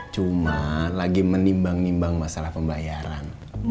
cuma lagi menimbang nimbang masalah pembayaran